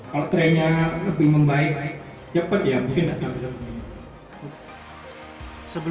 kalau trennya lebih membaik cepat ya mungkin tidak sampai satu minggu